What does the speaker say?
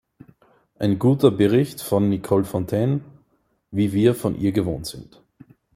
Ein guter Bericht von Nicole Fontaine, wie wir von ihr gewohnt sind.